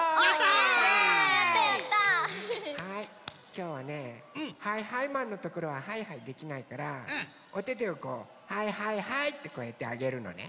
きょうはね「はいはいマン」のところははいはいできないからおててをこう「はいはいはい」ってこうやってあげるのね。